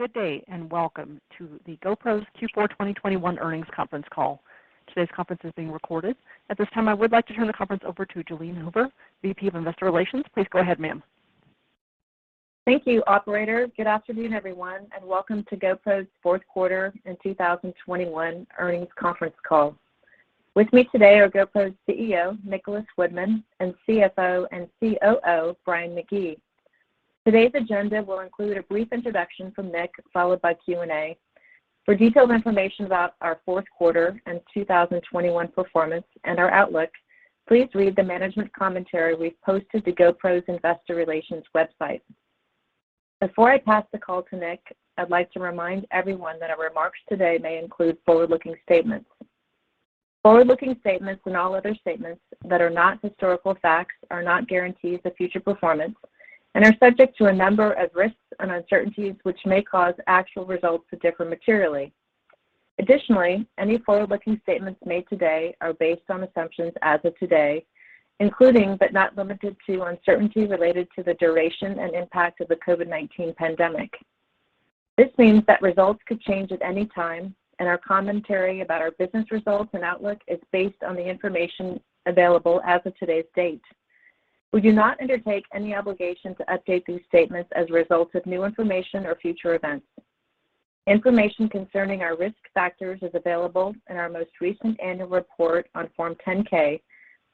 Good day, and welcome to GoPro's Q4 2021 earnings conference call. Today's conference is being recorded. At this time, I would like to turn the conference over to Jalene Hoover, VP of Investor Relations. Please go ahead, ma'am. Thank you, operator. Good afternoon, everyone, and welcome to GoPro's fourth quarter in 2021 earnings conference call. With me today are GoPro's CEO, Nicholas Woodman, and CFO and COO, Brian McGee. Today's agenda will include a brief introduction from Nick, followed by Q&A. For detailed information about our fourth quarter and 2021 performance and our outlook, please read the management commentary we've posted to GoPro's investor relations website. Before I pass the call to Nick, I'd like to remind everyone that our remarks today may include forward-looking statements. Forward-looking statements and all other statements that are not historical facts are not guarantees of future performance and are subject to a number of risks and uncertainties which may cause actual results to differ materially. Additionally, any forward-looking statements made today are based on assumptions as of today, including, but not limited to, uncertainty related to the duration and impact of the COVID-19 pandemic. This means that results could change at any time, and our commentary about our business results and outlook is based on the information available as of today's date. We do not undertake any obligation to update these statements as a result of new information or future events. Information concerning our risk factors is available in our most recent annual report on Form 10-K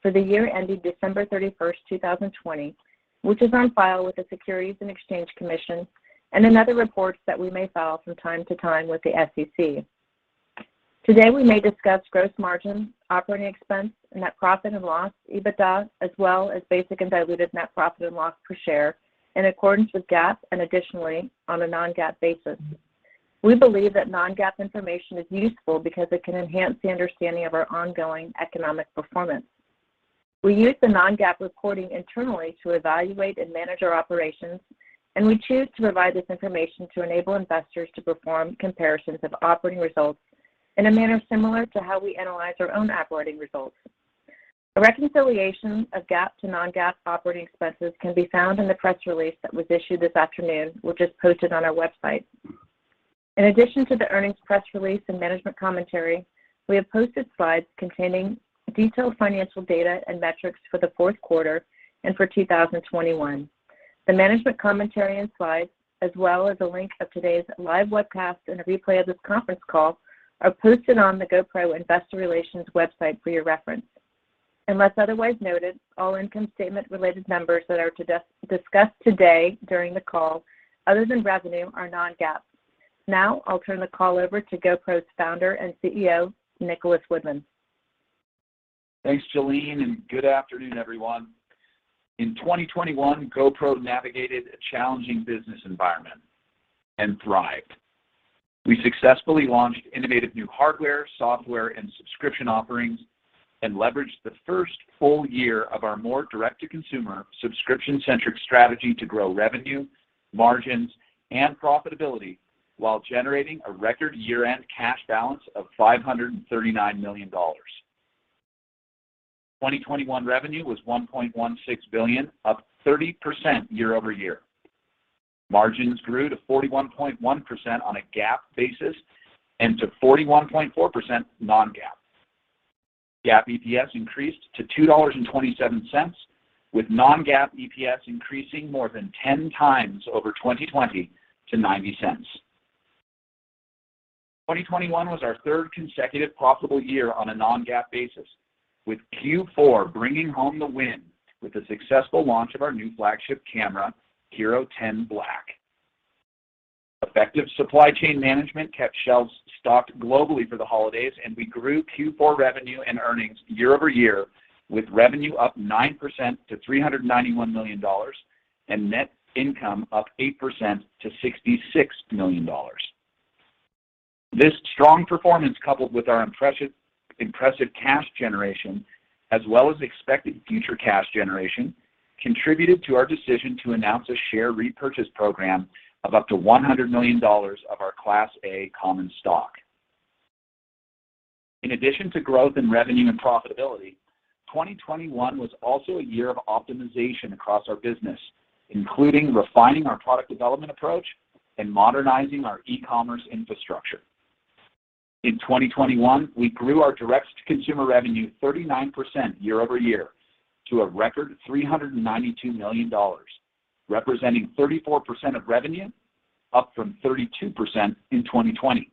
for the year ending December 31st, 2020, which is on file with the Securities and Exchange Commission and in other reports that we may file from time to time with the SEC. Today, we may discuss gross margin, operating expense, net profit and loss, EBITDA, as well as basic and diluted net profit and loss per share in accordance with GAAP and additionally on a non-GAAP basis. We believe that non-GAAP information is useful because it can enhance the understanding of our ongoing economic performance. We use the non-GAAP reporting internally to evaluate and manage our operations, and we choose to provide this information to enable investors to perform comparisons of operating results in a manner similar to how we analyze our own operating results. A reconciliation of GAAP to non-GAAP operating expenses can be found in the press release that was issued this afternoon, which is posted on our website. In addition to the earnings press release and management commentary, we have posted slides containing detailed financial data and metrics for the fourth quarter and for 2021. The management commentary and slides, as well as a link of today's live webcast and a replay of this conference call, are posted on the GoPro Investor Relations website for your reference. Unless otherwise noted, all income statement-related numbers that are to discuss today during the call other than revenue are non-GAAP. Now I'll turn the call over to GoPro's Founder and CEO, Nicholas Woodman. Thanks, Jalene, and good afternoon, everyone. In 2021, GoPro navigated a challenging business environment and thrived. We successfully launched innovative new hardware, software, and subscription offerings and leveraged the first full year of our more direct-to-consumer, subscription-centric strategy to grow revenue, margins, and profitability while generating a record year-end cash balance of $539 million. 2021 revenue was $1.16 billion, up 30% year-over-year. Margins grew to 41.1% on a GAAP basis and to 41.4% non-GAAP. GAAP EPS increased to $2.27, with non-GAAP EPS increasing more than 10 times over 2020 to $0.90. 2021 was our third consecutive profitable year on a non-GAAP basis, with Q4 bringing home the win with the successful launch of our new flagship camera, HERO10 Black. Effective supply chain management kept shelves stocked globally for the holidays, and we grew Q4 revenue and earnings year-over-year, with revenue up 9% to $391 million and net income up 8% to $66 million. This strong performance, coupled with our impressive cash generation as well as expected future cash generation, contributed to our decision to announce a share repurchase program of up to $100 million of our Class A common stock. In addition to growth in revenue and profitability, 2021 was also a year of optimization across our business, including refining our product development approach and modernizing our e-commerce infrastructure. In 2021, we grew our direct-to-consumer revenue 39% year-over-year to a record $392 million, representing 34% of revenue, up from 32% in 2020.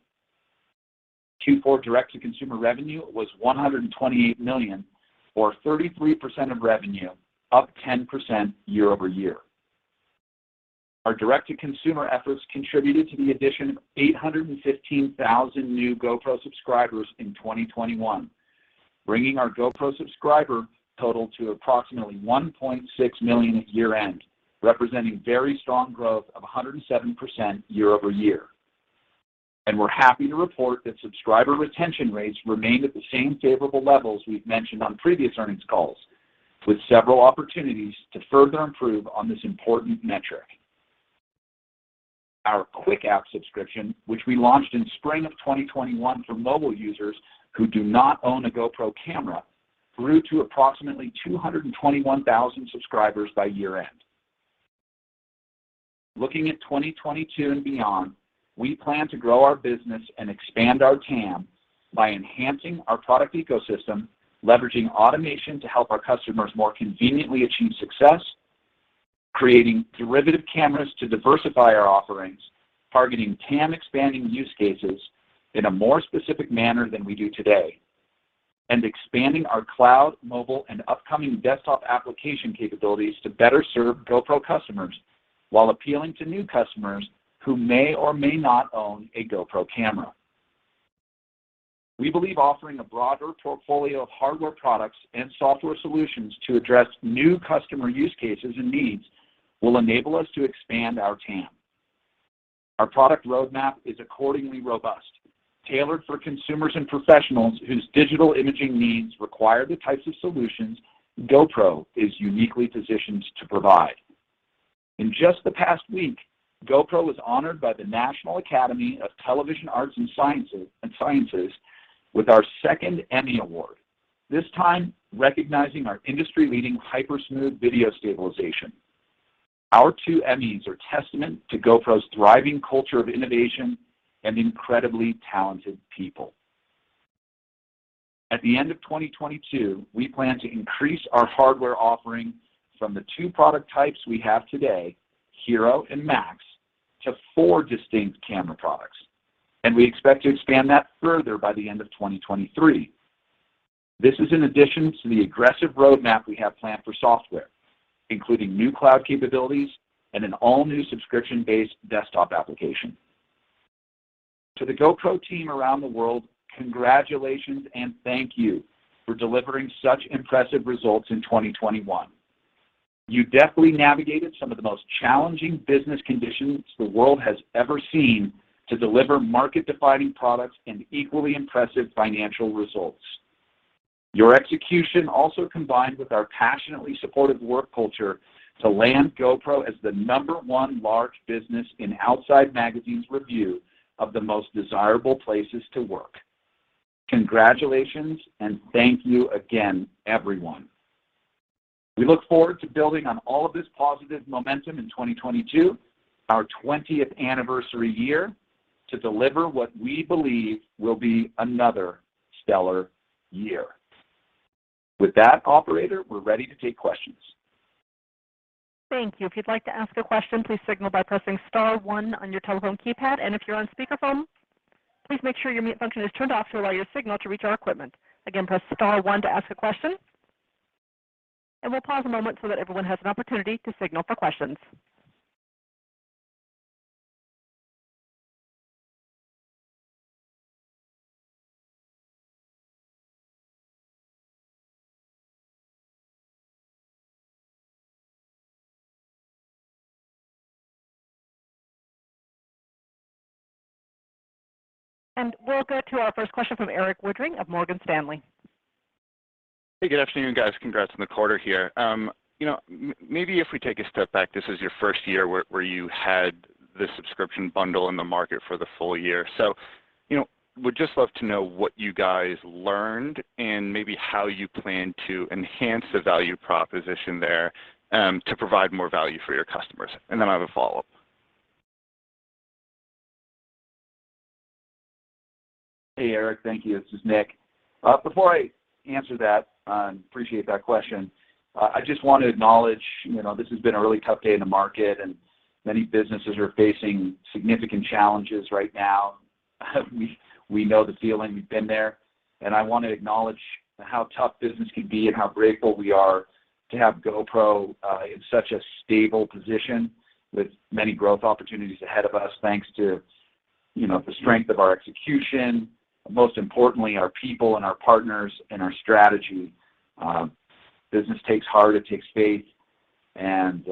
Q4 direct-to-consumer revenue was $128 million, or 33% of revenue, up 10% year-over-year. Our direct-to-consumer efforts contributed to the addition of 815,000 new GoPro subscribers in 2021, bringing our GoPro subscriber total to approximately 1.6 million at year-end, representing very strong growth of 107% year-over-year. We're happy to report that subscriber retention rates remained at the same favorable levels we've mentioned on previous earnings calls, with several opportunities to further improve on this important metric. Our Quik App subscription, which we launched in spring of 2021 for mobile users who do not own a GoPro camera. Grew to approximately 221,000 subscribers by year-end. Looking at 2022 and beyond, we plan to grow our business and expand our TAM by enhancing our product ecosystem, leveraging automation to help our customers more conveniently achieve success, creating derivative cameras to diversify our offerings, targeting TAM expanding use cases in a more specific manner than we do today, and expanding our cloud, mobile, and upcoming desktop application capabilities to better serve GoPro customers while appealing to new customers who may or may not own a GoPro camera. We believe offering a broader portfolio of hardware products and software solutions to address new customer use cases and needs will enable us to expand our TAM. Our product roadmap is accordingly robust, tailored for consumers and professionals whose digital imaging needs require the types of solutions GoPro is uniquely positioned to provide. In just the past week, GoPro was honored by the National Academy of Television Arts and Sciences with our second Emmy Award, this time recognizing our industry-leading HyperSmooth video stabilization. Our two Emmys are testament to GoPro's thriving culture of innovation and incredibly talented people. At the end of 2022, we plan to increase our hardware offering from the two product types we have today, HERO and MAX, to four distinct camera products, and we expect to expand that further by the end of 2023. This is in addition to the aggressive roadmap we have planned for software, including new cloud capabilities and an all-new subscription-based desktop application. To the GoPro team around the world, congratulations and thank you for delivering such impressive results in 2021. You deftly navigated some of the most challenging business conditions the world has ever seen to deliver market-defining products and equally impressive financial results. Your execution also combined with our passionately supportive work culture to land GoPro as the number one large business in Outside Magazine's review of the most desirable places to work. Congratulations and thank you again, everyone. We look forward to building on all of this positive momentum in 2022, our twentieth anniversary year, to deliver what we believe will be another stellar year. With that, operator, we're ready to take questions. Thank you. If you'd like to ask a question, please signal by pressing star one on your telephone keypad. If you're on speakerphone, please make sure your mute function is turned off to allow your signal to reach our equipment. Again, press star one to ask a question, and we'll pause a moment so that everyone has an opportunity to signal for questions. We'll go to our first question from Erik Woodring of Morgan Stanley. Hey, good afternoon, guys. Congrats on the quarter here. Maybe if we take a step back, this is your first year where you had the subscription bundle in the market for the full year. You know, would just love to know what you guys learned and maybe how you plan to enhance the value proposition there, to provide more value for your customers. I have a follow-up. Hey, Eric. Thank you. This is Nick. Before I answer that and appreciate that question, I just want to acknowledge, you know, this has been a really tough day in the market, and many businesses are facing significant challenges right now. We know the feeling, we've been there, and I wanna acknowledge how tough business can be and how grateful we are to have GoPro in such a stable position with many growth opportunities ahead of us, thanks to, you know, the strength of our execution, most importantly, our people and our partners and our strategy. Business takes heart, it takes faith, and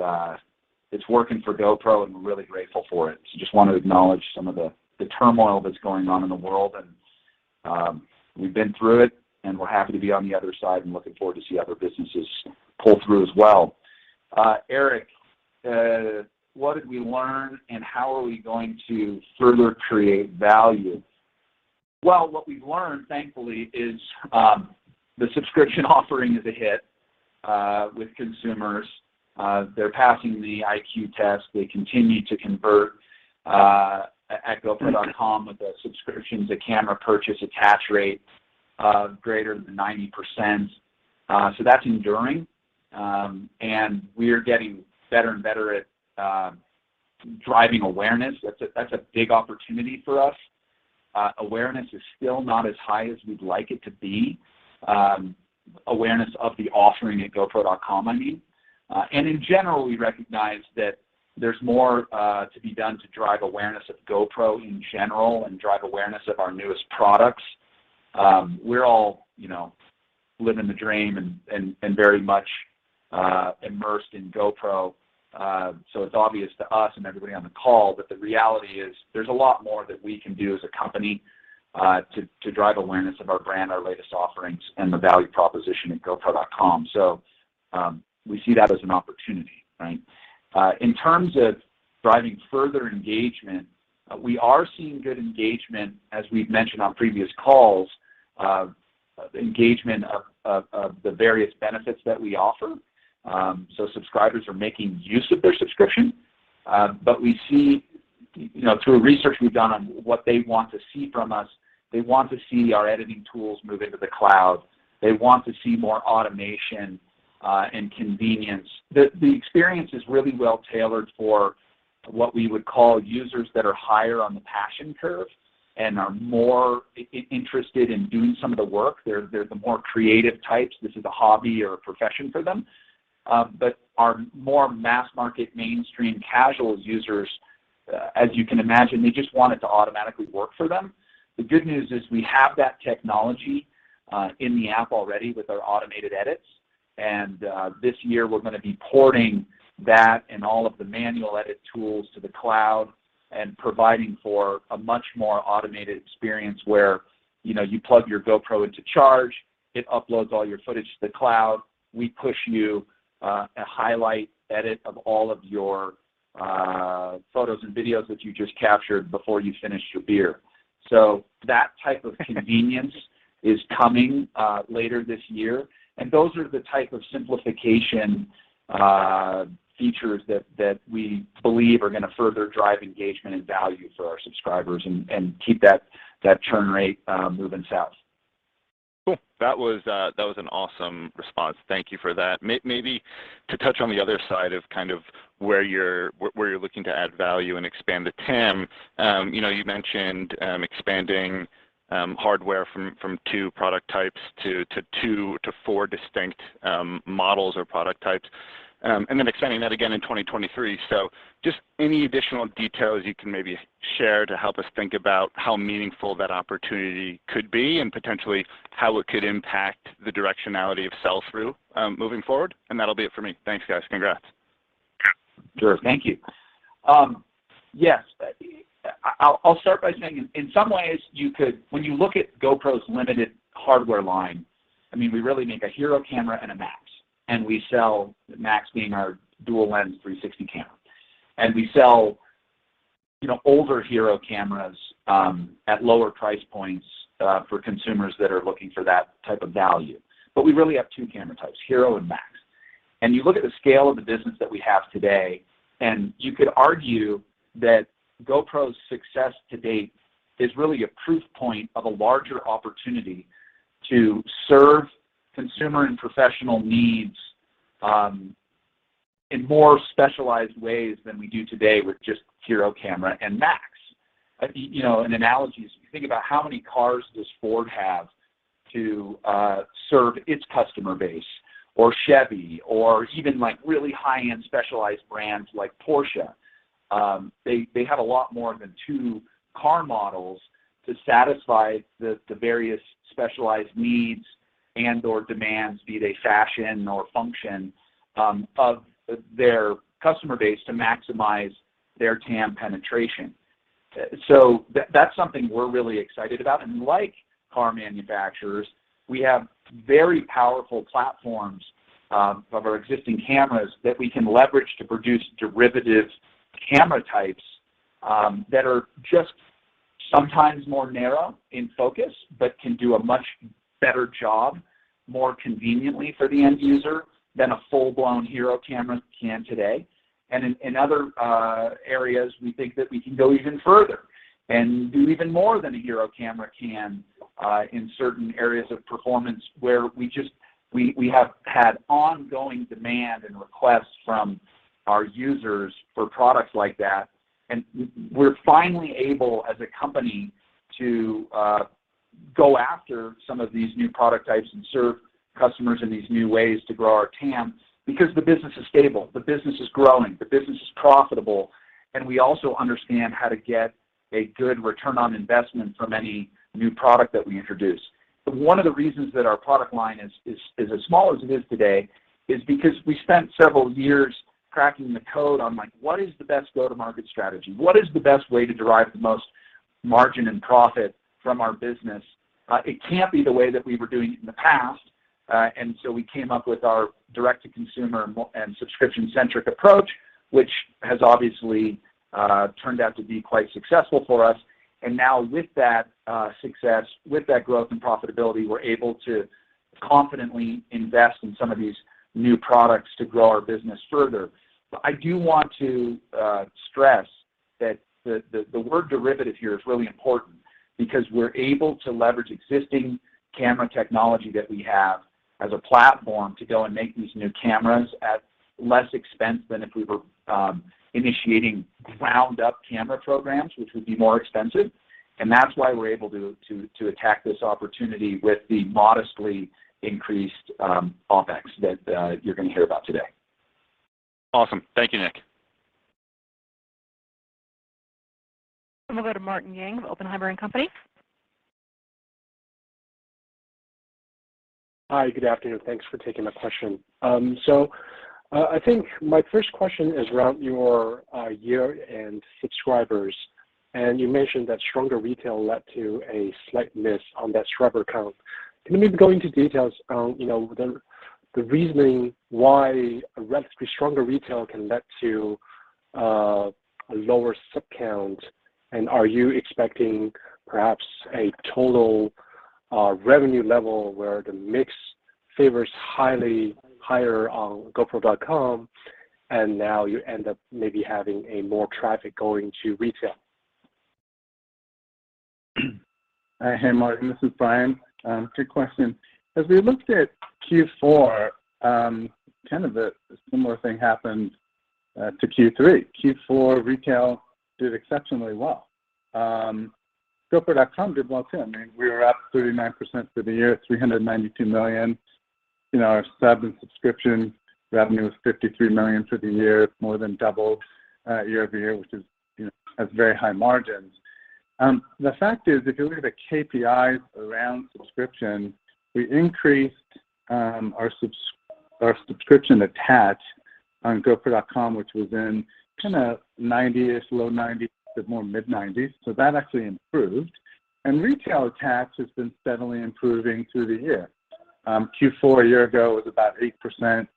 it's working for GoPro, and we're really grateful for it. Just wanna acknowledge some of the turmoil that's going on in the world, and we've been through it, and we're happy to be on the other side and looking forward to see other businesses pull through as well. Erik, what did we learn, and how are we going to further create value? Well, what we've learned, thankfully, is the subscription offering is a hit with consumers. They're passing the IQ test. They continue to convert at gopro.com with the subscriptions, the camera purchase attach rate greater than 90%. So that's enduring. And we are getting better and better at driving awareness. That's a big opportunity for us. Awareness is still not as high as we'd like it to be, awareness of the offering at gopro.com, I mean. In general, we recognize that there's more to be done to drive awareness of GoPro in general and drive awareness of our newest products. We're all, you know, living the dream and very much immersed in GoPro, so it's obvious to us and everybody on the call, but the reality is there's a lot more that we can do as a company to drive awareness of our brand, our latest offerings, and the value proposition at gopro.com. We see that as an opportunity, right? In terms of driving further engagement. We are seeing good engagement, as we've mentioned on previous calls, of engagement of the various benefits that we offer. Subscribers are making use of their subscription, but we see, you know, through research we've done on what they want to see from us, they want to see our editing tools move into the cloud. They want to see more automation and convenience. The experience is really well-tailored for what we would call users that are higher on the passion curve and are more interested in doing some of the work. They're the more creative types. This is a hobby or a profession for them. Our more mass market, mainstream casual users, as you can imagine, they just want it to automatically work for them. The good news is we have that technology in the app already with our automated edits, and this year we're gonna be porting that and all of the manual edit tools to the cloud and providing for a much more automated experience where, you know, you plug your GoPro in to charge, it uploads all your footage to the cloud. We push you a highlight edit of all of your photos and videos that you just captured before you finished your beer. So that type of convenience is coming later this year, and those are the type of simplification features that we believe are gonna further drive engagement and value for our subscribers and keep that churn rate moving south. Cool. That was an awesome response. Thank you for that. Maybe to touch on the other side of kind of where you're looking to add value and expand the TAM, you know, you mentioned expanding hardware from two product types to two to four distinct models or product types, and then extending that again in 2023. Just any additional details you can maybe share to help us think about how meaningful that opportunity could be and potentially how it could impact the directionality of sell-through moving forward, and that'll be it for me. Thanks, guys. Congrats. Sure. Thank you. Yes. I'll start by saying in some ways you could when you look at GoPro's limited hardware line. I mean, we really make a HERO camera and a MAX, and we sell the MAX being our dual lens 360 camera, and we sell you know older HERO cameras at lower price points for consumers that are looking for that type of value. We really have two camera types, HERO and MAX. You look at the scale of the business that we have today, and you could argue that GoPro's success to date is really a proof point of a larger opportunity to serve consumer and professional needs in more specialized ways than we do today with just HERO camera and MAX. You know, an analogy is if you think about how many cars does Ford have to serve its customer base or Chevrolet or even, like, really high-end specialized brands like Porsche. They have a lot more than two car models to satisfy the various specialized needs and/or demands, be they fashion or function, of their customer base to maximize their TAM penetration. So that's something we're really excited about. Like car manufacturers, we have very powerful platforms of our existing cameras that we can leverage to produce derivative camera types that are just sometimes more narrow in focus but can do a much better job more conveniently for the end user than a full-blown HERO camera can today. In other areas we think that we can go even further and do even more than a HERO camera can in certain areas of performance where we have had ongoing demand and requests from our users for products like that, and we're finally able as a company to go after some of these new product types and serve customers in these new ways to grow our TAM because the business is stable, the business is growing, the business is profitable, and we also understand how to get a good return on investment from any new product that we introduce. One of the reasons that our product line is as small as it is today is because we spent several years cracking the code on, like, what is the best go-to-market strategy? What is the best way to derive the most margin and profit from our business? It can't be the way that we were doing it in the past, and so we came up with our direct to consumer and subscription-centric approach, which has obviously turned out to be quite successful for us. Now with that success, with that growth and profitability, we're able to confidently invest in some of these new products to grow our business further. I do want to stress that the word derivative here is really important because we're able to leverage existing camera technology that we have as a platform to go and make these new cameras at less expense than if we were initiating ground up camera programs, which would be more expensive, and that's why we're able to to attack this opportunity with the modestly increased OpEx that you're gonna hear about today. Awesome. Thank you, Nick. I'm gonna go to Martin Yang of Oppenheimer & Company. Hi. Good afternoon. Thanks for taking my question. I think my first question is around your year-end subscribers, and you mentioned that stronger retail led to a slight miss on that subscriber count. Can you maybe go into details on the reasoning why a relatively stronger retail can lead to a lower sub count and are you expecting perhaps a total revenue level where the mix favors highly higher on gopro.com and now you end up maybe having a more traffic going to retail? Hey, Martin, this is Brian. Good question. As we looked at Q4, kind of a similar thing happened to Q3. Q4 retail did exceptionally well. gopro.com did well, too. I mean, we were up 39% for the year, $392 million in our sub and subscription revenue was $53 million for the year, more than double year-over-year which is, you know, has very high margins. The fact is if you look at the KPIs around subscription, we increased our subscription attach on gopro.com which was in kind of 90-ish, low 90s, but more mid-90s, so that actually improved. Retail attach has been steadily improving through the year. Q4 a year ago was about 8%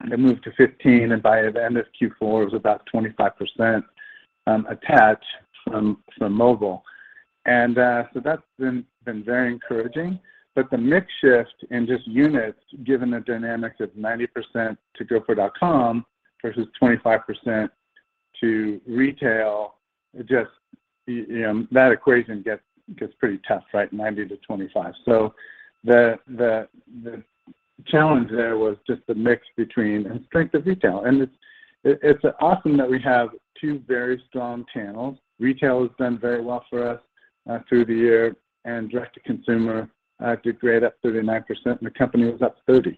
and then moved to 15% and by the end of Q4 was about 25% attach from mobile. That's been very encouraging. The mix shift in just units, given the dynamics of 90% to gopro.com versus 25% to retail, it just, you know, that equation gets pretty tough, right, 90 to 25. The challenge there was just the mix between direct and strength of retail. It's awesome that we have two very strong channels. Retail has done very well for us through the year and direct to consumer did great, up 39% and the company was up 30%.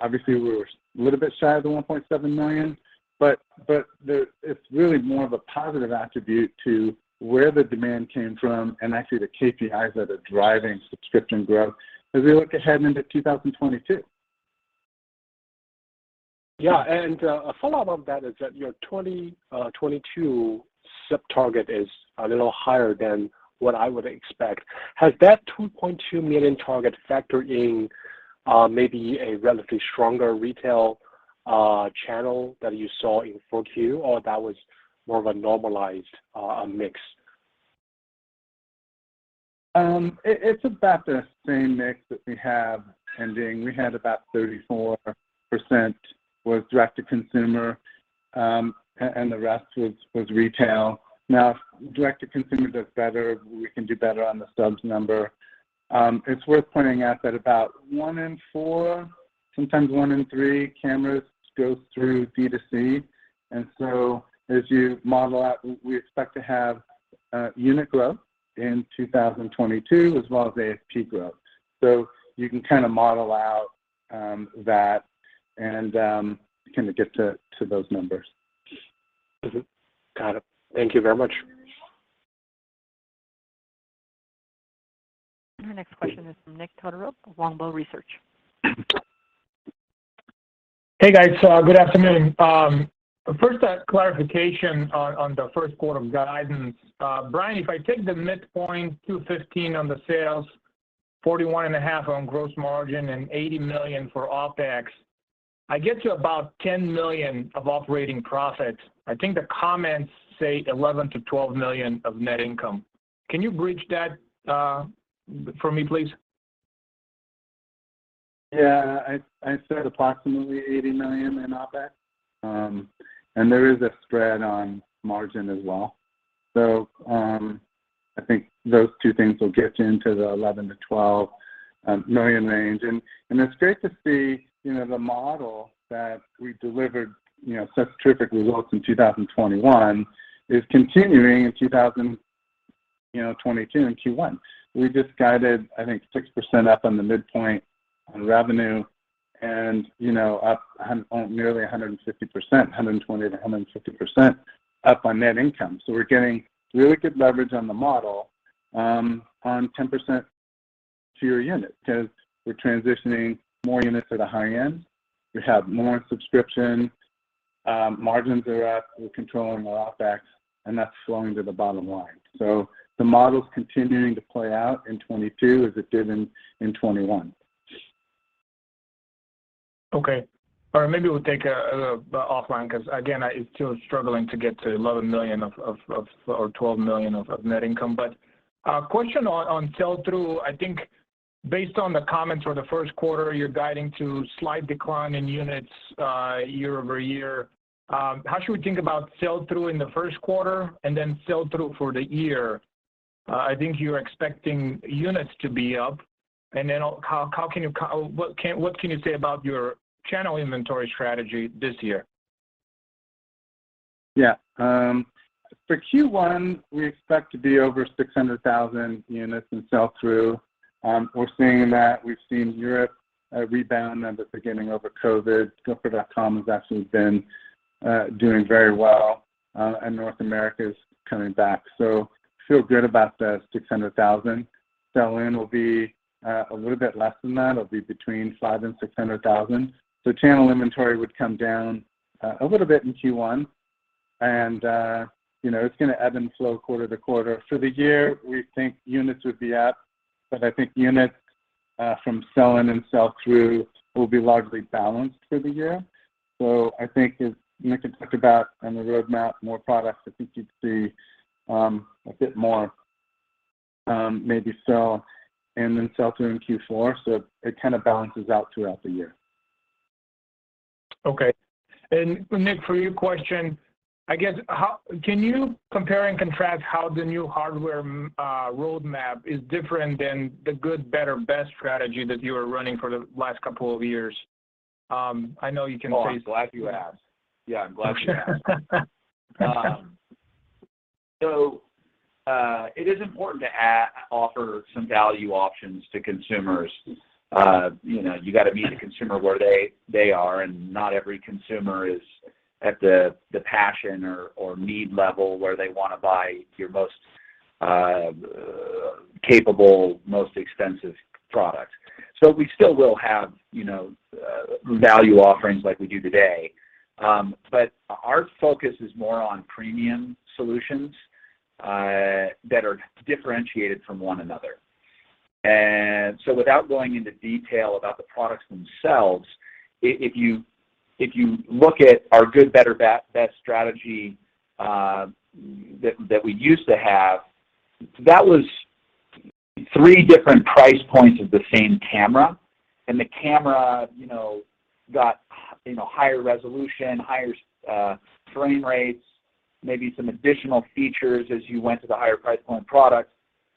Obviously we were a little bit shy of the 1.7 million, but it's really more of a positive attribute to where the demand came from and actually the KPIs that are driving subscription growth as we look ahead into 2022. A follow-up on that is that your 2022 sub target is a little higher than what I would expect. Has that 2.2 million target factored in maybe a relatively stronger retail channel that you saw in Q4 or that was more of a normalized mix? It's about the same mix that we have ending. We had about 34% direct to consumer, and the rest was retail. Now if direct to consumer does better, we can do better on the subs number. It's worth pointing out that about one in four, sometimes one in three cameras go through D2C, and so as you model out, we expect to have unit growth in 2022 as well as ASP growth. You can kind of model out that and kind of get to those numbers. Got it. Thank you very much. Our next question is from Nick Todorov, Wedbush Securities. Hey, guys. Good afternoon. First, clarification on the first quarter guidance. Brian, if I take the midpoint $215 million on the sales, 41.5% on gross margin and $80 million for OpEx, I get to about $10 million of operating profits. I think the comments say $11 million-$12 million of net income. Can you bridge that, for me, please? Yeah. I said approximately $80 million in OpEx, and there is a spread on margin as well. I think those two things will get you into the $11 million-$12 million range. It's great to see, you know, the model that we delivered, you know, such terrific results in 2021 is continuing in 2022 in Q1. We just guided I think 6% up on the midpoint on revenue and, you know, up nearly 150 percent, 120%-150% up on net income. We're getting really good leverage on the model on 10% higher unit because we're transitioning more units to the high end. We have more subscriptions, margins are up, we're controlling our OpEx and that's flowing to the bottom line. The model's continuing to play out in 2022 as it did in 2021. Okay. Maybe we'll take offline because again, I'm still struggling to get to $11 million or $12 million of net income. Question on sell-through. I think based on the comments for the first quarter you're guiding to slight decline in units, year-over-year. How should we think about sell-through in the first quarter and then sell-through for the year? I think you're expecting units to be up and then what can you say about your channel inventory strategy this year? Yeah. For Q1 we expect to be over 600,000 units in sell-through. We're seeing that. We've seen Europe rebound at the beginning of COVID. gopro.com has actually been doing very well, and North America is coming back. Feel good about the 600,000. Sell-in will be a little bit less than that. It'll be between 500,000 and 600,000. Channel inventory would come down a little bit in Q1. You know, it's gonna ebb and flow quarter to quarter. For the year, we think units would be up, but I think units from sell-in and sell-through will be largely balanced through the year. I think as Nick had talked about on the roadmap, more products, I think you'd see a bit more, maybe sell and then sell through in Q4. It kind of balances out throughout the year. Okay. Nick, for your question, I guess. Can you compare and contrast how the new hardware roadmap is different than the good better, best strategy that you were running for the last couple of years? I know you can say- Oh, I'm glad you asked. Yeah, I'm glad you asked. It is important to offer some value options to consumers. You know, you gotta meet the consumer where they are, and not every consumer is at the passion or need level where they wanna buy your most capable, most expensive product. We still will have, you know, value offerings like we do today. Our focus is more on premium solutions that are differentiated from one another. Without going into detail about the products themselves, if you look at our good, better, best strategy that we used to have, that was three different price points of the same camera. The camera, you know, got, you know, higher resolution, higher frame rates, maybe some additional features as you went to the higher price point products,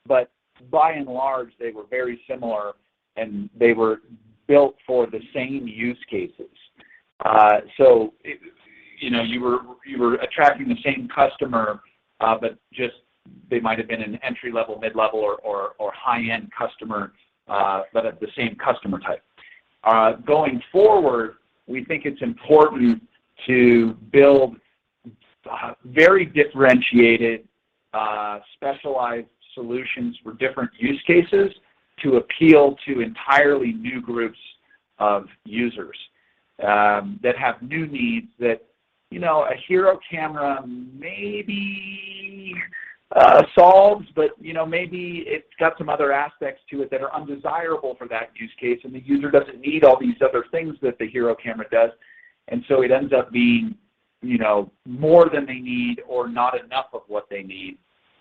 but by and large they were very similar, and they were built for the same use cases. You know, you were attracting the same customer, but just they might have been an entry-level, mid-level or high-end customer, but at the same customer type. Going forward we think it's important to build very differentiated specialized solutions for different use cases to appeal to entirely new groups of users that have new needs that, you know, a HERO camera maybe solves, but you know, maybe it's got some other aspects to it that are undesirable for that use case and the user doesn't need all these other things that the HERO camera does. It ends up being, you know, more than they need or not enough of what they need.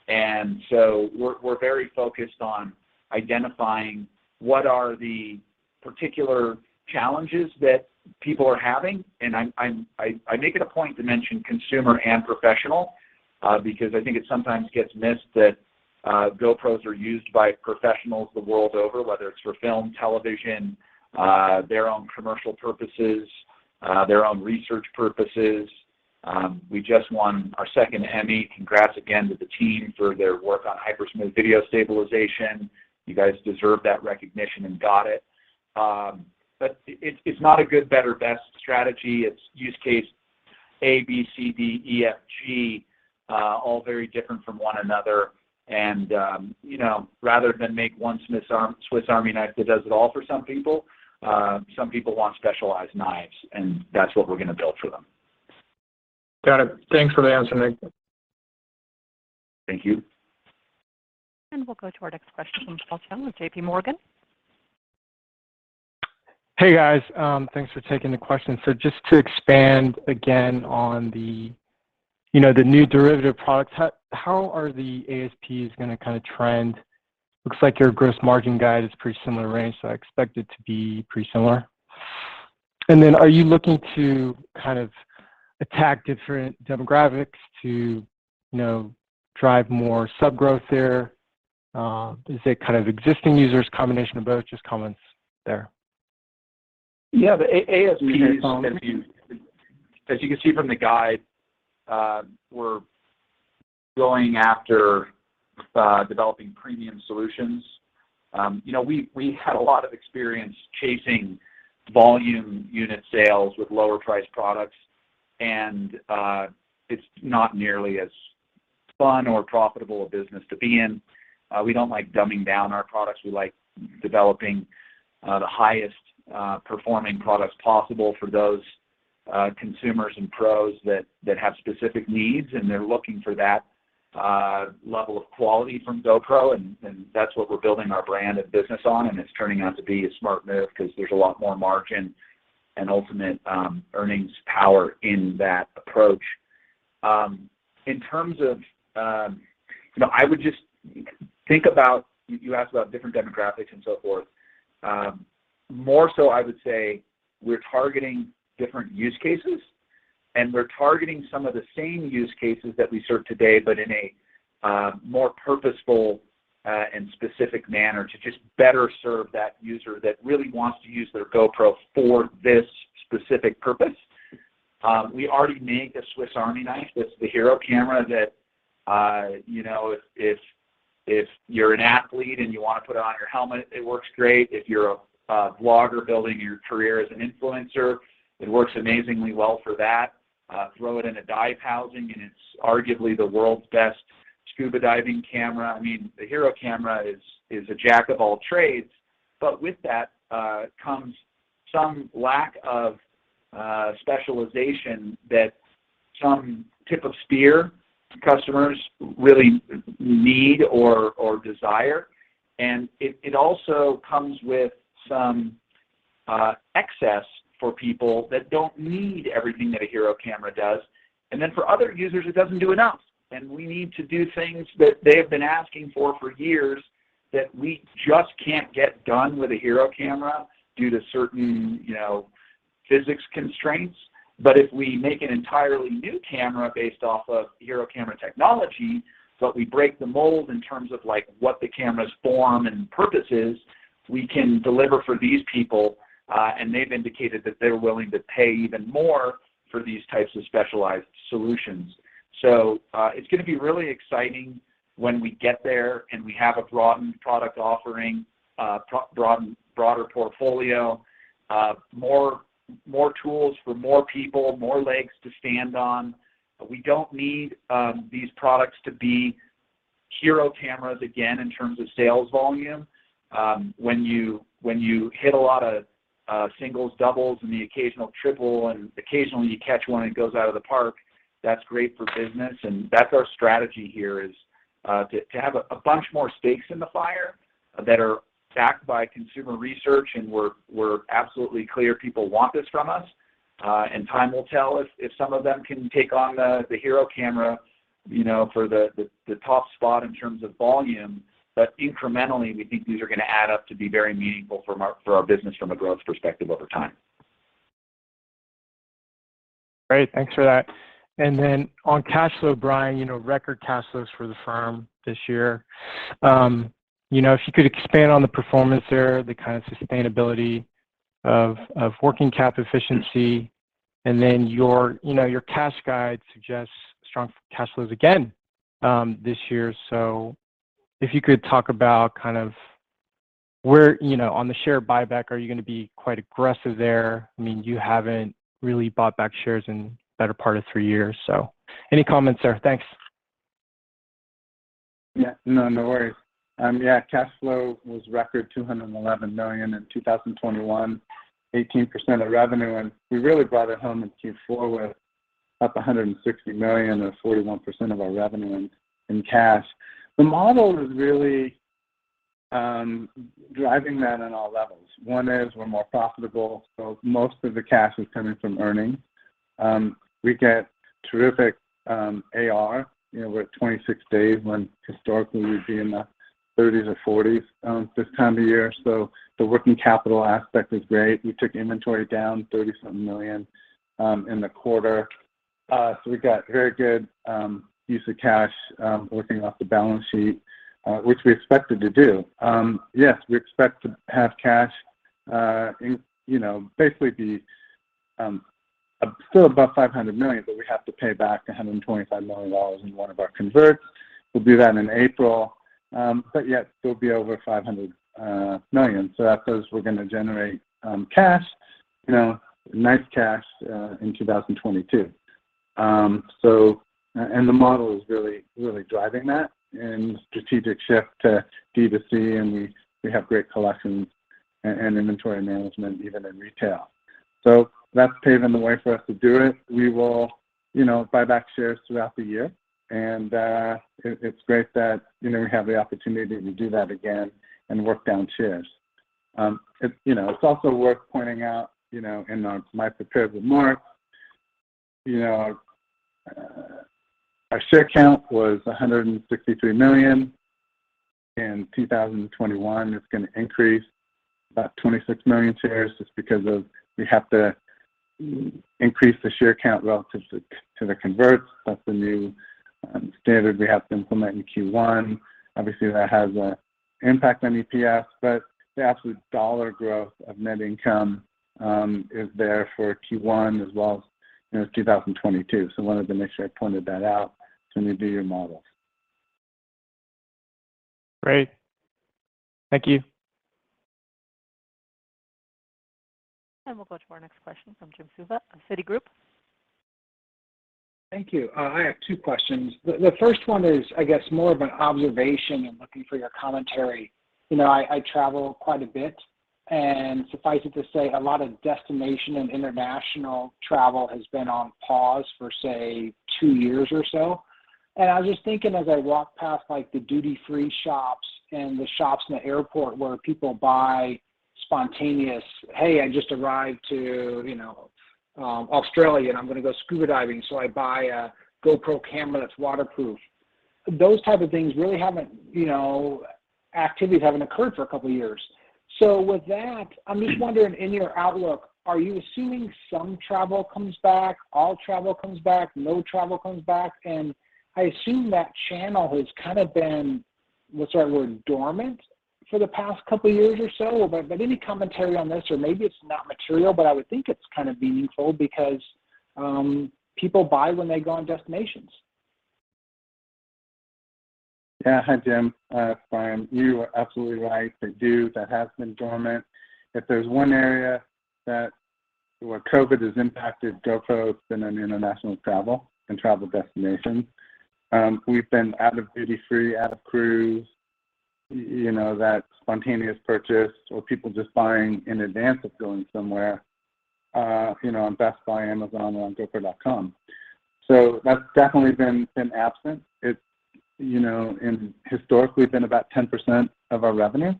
We're very focused on identifying what are the particular challenges that people are having. I make it a point to mention consumer and professional because I think it sometimes gets missed that GoPros are used by professionals the world over, whether it's for film, television, their own commercial purposes, their own research purposes. We just won our second Emmy. Congrats again to the team for their work on HyperSmooth video stabilization. You guys deserve that recognition and got it. It's not a good, better, best strategy. It's use case A, B, C, D, E, F, G, all very different from one another. You know, rather than make one Swiss Army knife that does it all for some people, some people want specialized knives, and that's what we're gonna build for them. Got it. Thanks for the answer, Nick. Thank you. We'll go to our next question from Paul Chung with JP Morgan. Hey, guys. Thanks for taking the question. So just to expand again on the, you know, the new derivative products, how are the ASPs gonna kind of trend? Looks like your gross margin guide is pretty similar range, so I expect it to be pretty similar. Are you looking to kind of attack different demographics to, you know, drive more sub-growth there? Is it kind of existing users, combination of both? Just comments there. Yeah, the ASPs. Can you hear me, Paul? As you can see from the guide, we're going after developing premium solutions. You know, we had a lot of experience chasing volume unit sales with lower priced products and it's not nearly as fun or profitable a business to be in. We don't like dumbing down our products. We like developing the highest performing products possible for those consumers and pros that have specific needs, and they're looking for that level of quality from GoPro. That's what we're building our brand and business on, and it's turning out to be a smart move 'cause there's a lot more margin and ultimate earnings power in that approach. In terms of you know, I would just think about you asked about different demographics and so forth. More so I would say we're targeting different use cases and we're targeting some of the same use cases that we serve today, but in a more purposeful and specific manner to just better serve that user that really wants to use their GoPro for this specific purpose. We already make a Swiss Army knife. That's the HERO camera that you know if you're an athlete and you wanna put it on your helmet, it works great. If you're a vlogger building your career as an influencer, it works amazingly well for that. Throw it in a dive housing and it's arguably the world's best scuba diving camera. I mean, the HERO camera is a jack of all trades. With that comes some lack of specialization that some tip of spear customers really need or desire. It also comes with some excess for people that don't need everything that a HERO camera does. Then for other users, it doesn't do enough, and we need to do things that they have been asking for years that we just can't get done with a HERO camera due to certain, you know, physics constraints. If we make an entirely new camera based off of HERO camera technology, but we break the mold in terms of, like, what the camera's form and purpose is, we can deliver for these people, and they've indicated that they're willing to pay even more for these types of specialized solutions. It's gonna be really exciting when we get there, and we have a broadened product offering, broader portfolio, more tools for more people, more legs to stand on. We don't need these products to be HERO cameras again in terms of sales volume. When you hit a lot of singles, doubles, and the occasional triple, and occasionally you catch one that goes out of the park, that's great for business. That's our strategy here, to have a bunch more stakes in the fire that are backed by consumer research, and we're absolutely clear people want this from us. Time will tell if some of them can take on the HERO camera, you know, for the top spot in terms of volume. Incrementally, we think these are gonna add up to be very meaningful for our business from a growth perspective over time. Great. Thanks for that. On cash flow, Brian, you know, record cash flows for the firm this year. You know, if you could expand on the performance there, the kind of sustainability of working cap efficiency. Your, you know, your cash guide suggests strong cash flows again, this year. If you could talk about kind of where you know on the share buyback, are you gonna be quite aggressive there? I mean, you haven't really bought back shares in the better part of three years. Any comments there? Thanks. Yeah. No, no worries. Yeah. Cash flow was record $211 million in 2021, 18% of revenue. We really brought it home in Q4 with up $160 million or 41% of our revenue in cash. The model is really driving that on all levels. One is we're more profitable, so most of the cash is coming from earnings. We get terrific AR. You know, we're at 26 days when historically we'd be in the 30s or 40s this time of year. The working capital aspect is great. We took inventory down 30-some million in the quarter. We got very good use of cash working off the balance sheet, which we expected to do. Yes, we expect to have cash, you know, basically still above $500 million, but we have to pay back $125 million in one of our converts. We'll do that in April. Yeah, still be over $500 million. That tells us we're gonna generate cash, you know, nice cash in 2022. And the model is really, really driving that. Strategic shift to D to C, and we have great collections and inventory management even in retail. That's paving the way for us to do it. We will, you know, buy back shares throughout the year and, it's great that, you know, we have the opportunity to do that again and work down shares. It's also worth pointing out, you know, in my prepared remarks, you know, our share count was 163 million. In 2021, it's gonna increase about 26 million shares just because we have to increase the share count relative to the converts. That's the new standard we have to implement in Q1. Obviously, that has a impact on EPS, but the absolute dollar growth of net income is there for Q1 as well as, you know, 2022. Wanted to make sure I pointed that out when you do your models. Great. Thank you. We'll go to our next question from Jim Suva of Citigroup. Thank you. I have two questions. The first one is, I guess, more of an observation and looking for your commentary. You know, I travel quite a bit, and suffice it to say, a lot of destination and international travel has been on pause for, say, two years or so. I was just thinking as I walked past, like, the duty-free shops and the shops in the airport where people buy spontaneous, "Hey, I just arrived to, you know, Australia and I'm gonna go scuba diving, so I buy a GoPro camera that's waterproof." Those type of things really haven't, you know, activities haven't occurred for a couple years. With that, I'm just wondering, in your outlook, are you assuming some travel comes back, all travel comes back, no travel comes back? I assume that channel has kind of been, what's the right word, dormant for the past couple years or so. But any commentary on this, or maybe it's not material, but I would think it's kind of meaningful because people buy when they go on destinations. Yeah. Hi, Jim. Fine. You are absolutely right. They do. That has been dormant. If there's one area. Well, COVID has impacted GoPro. It's been international travel and travel destination. We've been out of duty free, out of cruise, you know, that spontaneous purchase or people just buying in advance of going somewhere, you know, on Best Buy, Amazon, or on gopro.com. So that's definitely been absent. It's, you know, and historically been about 10% of our revenue.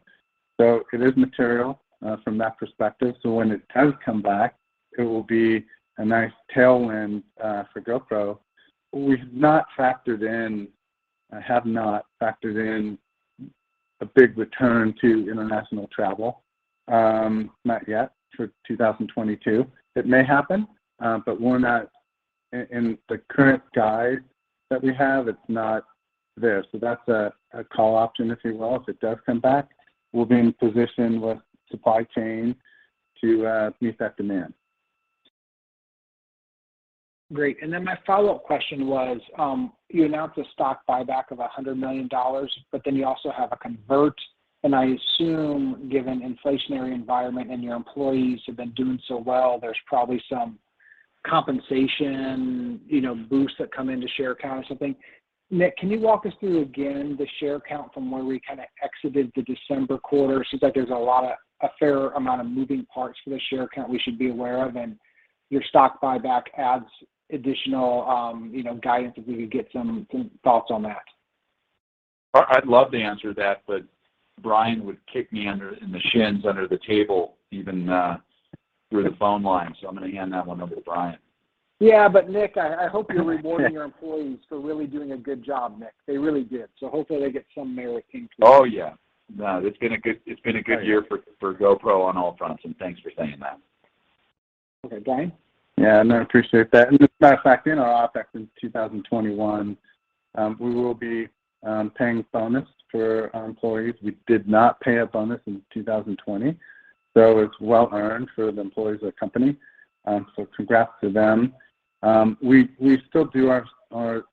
So it is material from that perspective. So when it does come back, it will be a nice tailwind for GoPro. We've not factored in. I have not factored in a big return to international travel, not yet for 2022. It may happen, but we're not in the current guide that we have. It's not there. That's a call option, if you will. If it does come back, we'll be in position with supply chain to meet that demand. Great. Then my follow-up question was, you announced a stock buyback of $100 million, but then you also have a convert, and I assume given inflationary environment and your employees have been doing so well, there's probably some compensation, you know, boosts that come into share count or something. Nick, can you walk us through again the share count from where we kinda exited the December quarter? Seems like there's a fair amount of moving parts for the share count we should be aware of, and your stock buyback adds additional, you know, guidance if we could get some thoughts on that. I'd love to answer that, but Brian would kick me in the shins under the table even through the phone line. I'm gonna hand that one over to Brian. Yeah, Nick, I hope you're rewarding your employees for really doing a good job, Nick. They really did. Hopefully they get some merit increase. Oh, yeah. No, it's been a good year for GoPro on all fronts, and thanks for saying that. Okay. Brian? Yeah. No, I appreciate that. As a matter of fact, in our OpEx in 2021, we will be paying bonus for our employees. We did not pay a bonus in 2020, so it's well earned for the employees of the company. Congrats to them. We still do our,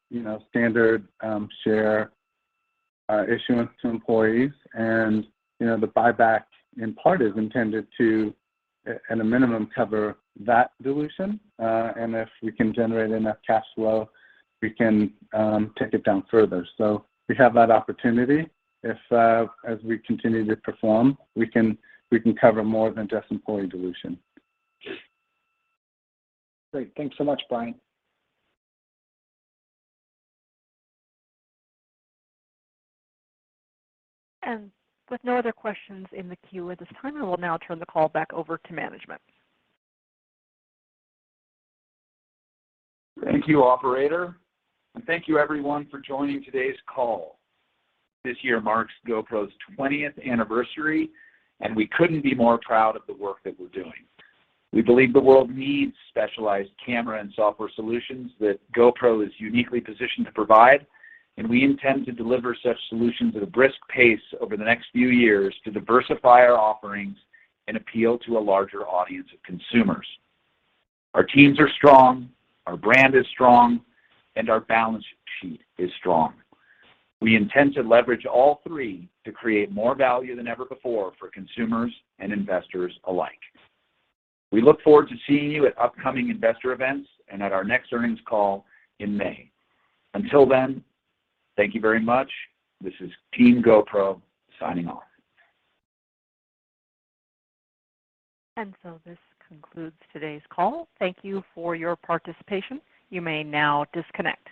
you know, standard share issuance to employees. You know, the buyback in part is intended to, at a minimum, cover that dilution. If we can generate enough cash flow, we can take it down further. We have that opportunity. If as we continue to perform, we can cover more than just employee dilution. Great. Thanks so much, Brian. With no other questions in the queue at this time, I will now turn the call back over to management. Thank you, operator, and thank you everyone for joining today's call. This year marks GoPro's twentieth anniversary, and we couldn't be more proud of the work that we're doing. We believe the world needs specialized camera and software solutions that GoPro is uniquely positioned to provide, and we intend to deliver such solutions at a brisk pace over the next few years to diversify our offerings and appeal to a larger audience of consumers. Our teams are strong, our brand is strong, and our balance sheet is strong. We intend to leverage all three to create more value than ever before for consumers and investors alike. We look forward to seeing you at upcoming investor events and at our next earnings call in May. Until then, thank you very much. This is Team GoPro signing off. This concludes today's call. Thank you for your participation. You may now disconnect.